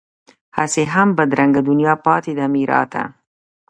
هسې هم بدرنګه دنیا پاتې ده میراته